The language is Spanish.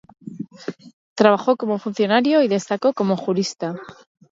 Trabajó como funcionario y destacó como jurista.